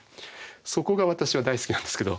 そこが私は大好きなんですけど。